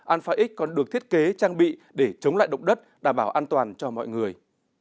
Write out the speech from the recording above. alpha x còn được thiết kế trang bị để chống lại động đất đảm bảo an toàn cho mọi người